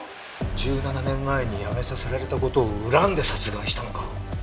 １７年前に辞めさせられた事を恨んで殺害したのか？